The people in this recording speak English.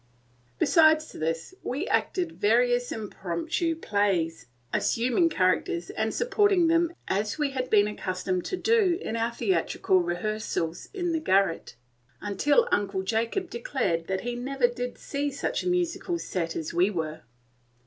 Besides this, we acted various impromptu plays, assuming characters and supporting them as we had been accustomed to do in our theatrical rehearsals in the garret, till Uncle Jacob declared that he never did see such a musical set as we were.